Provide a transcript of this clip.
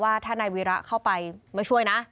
ว่าถ้านายวีระเข้าไปไม่ช่วยนะ